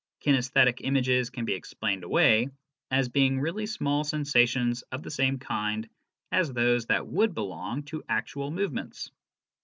Kinaesthetic images can be explained away, as being really small sensations of the same kind as those that would belong to actual movements.